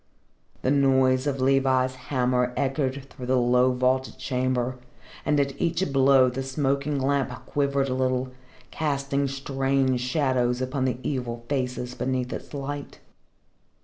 The noise of Levi's hammer echoed through the low vaulted chamber, and at each blow the smoking lamp quivered a little, casting strange shadows upon the evil faces beneath its light.